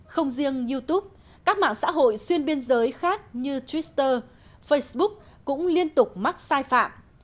không riêng youtube các mạng xã hội xuyên biên giới khác như twitter facebook cũng liên tục mắc sai phạm